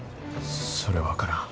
それは分からん。